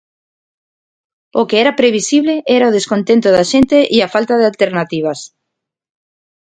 O que era previsible era o descontento da xente e a falta de alternativas.